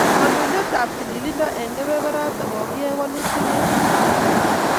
Kandoinatetab tililindo eng kebeberatak kokiyai walutiik eng tililindo.